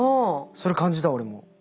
それ感じた俺も。